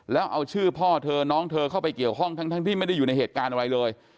แล้วเอาชื่อพ่อเธอน้องเธอเข้าไปเกี่ยวข้องทั้งที่ไม่ได้อยู่ในเหตุการณ์อะไรเลย